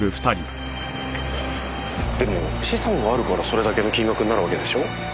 でも資産があるからそれだけの金額になるわけでしょ。